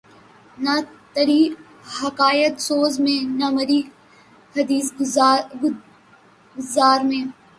نہ تری حکایت سوز میں نہ مری حدیث گداز میں